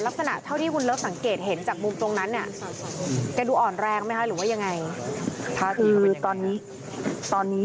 ลักษณะเท่าที่คุณเลิฟสังเกตเห็นจากมุมตรงนั้นเนี่ยแกดูอ่อนแรงไหมคะหรือว่ายังไง